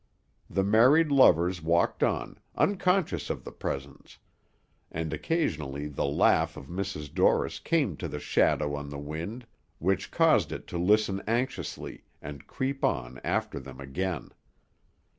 The married lovers walked on, unconscious of the presence; and occasionally the laugh of Mrs. Dorris came to the shadow on the wind, which caused it to listen anxiously, and creep on after them again.